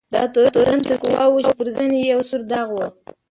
دا تورن د توپچي قواوو و چې پر زنې یې یو سور داغ و.